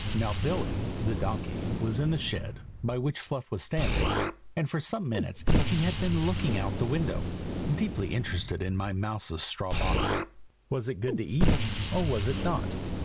Now Billy, the donkey, was in the shed, by which Fluff was standing, and for some minutes he had been looking out of the window, deeply interested in my mouse's straw bonnet. Was it good to eat, or was it not?